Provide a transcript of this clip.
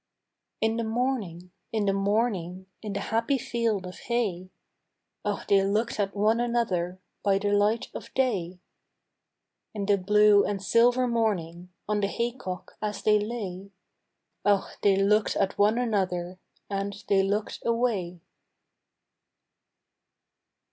In the morning, in the morning, In the happy field of hay, Oh they looked at one another By the light of day. In the blue and silver morning On the haycock as they lay, Oh they looked at one another And they looked away.